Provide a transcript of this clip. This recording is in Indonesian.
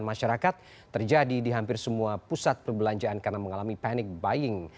masyarakat terjadi di hampir semua pusat perbelanjaan karena mengalami panic buying